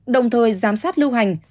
đồng thời giám sát lưu hành